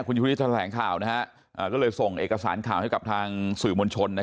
คุณชุวิตแถลงข่าวนะฮะก็เลยส่งเอกสารข่าวให้กับทางสื่อมวลชน